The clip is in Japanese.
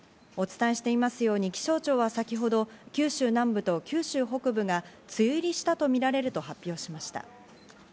お伝えしていますように、気象庁は先ほど九州南部と九州北部が梅雨入りしたとみられると発表しました。